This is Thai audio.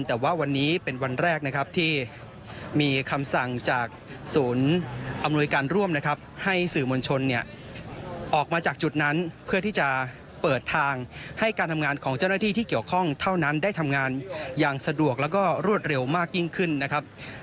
แต่ว่าวันนี้เป็นวันแรกนะครับที่มีคำสั่งจากศูนย์อำนวยการร่วมนะครับให้สื่อมวลชนเนี่ยออกมาจากจุดนั้นเพื่อที่จะเปิดทางให้การทำงานของเจ้าหน้าที่ที่เกี่ยวข้องเท่านั้นได้ทำงานอย่างสะดวกแล้วก็รวดเร็วมากยิ่งขึ้นนะครับ